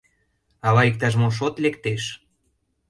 Ала иктаж мо шот лектеш.